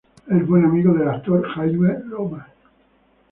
Es buen amigo del actor Jamie Lomas.